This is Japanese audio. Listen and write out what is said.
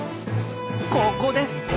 ここです！